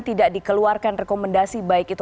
tidak dikeluarkan rekomendasi baik itu